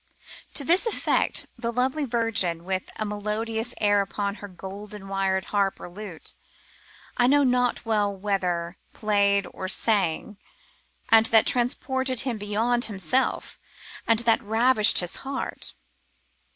To this effect the lovely virgin with a melodious air upon her golden wired harp or lute, I know not well whether, played and sang, and that transported him beyond himself, and that ravished his heart.